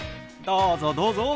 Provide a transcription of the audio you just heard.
どうぞどうぞ。